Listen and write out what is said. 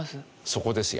そこですよ。